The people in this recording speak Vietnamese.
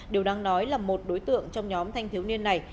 điều đang nói là một đối tượng trong nhóm thanh thiếu niên này